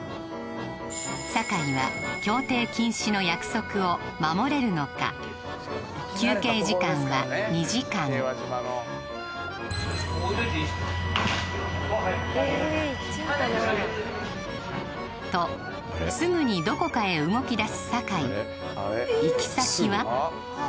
酒井は競艇禁止の約束を守れるのか休憩時間は２時間とすぐにどこかへ動き出す酒井行き先は？